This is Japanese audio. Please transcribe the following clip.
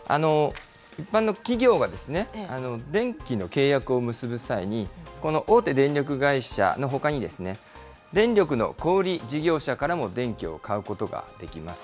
一般の企業が電気の契約を結ぶ際に、この大手電力会社のほかに、電力の小売り事業者からも電気を買うことができます。